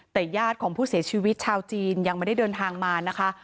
แต่ญาติของผู้เสียชีวิตชาวจีนยังไม่ได้เดินทางมานะคะ